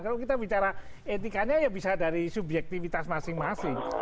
kalau kita bicara etikanya ya bisa dari subjektivitas masing masing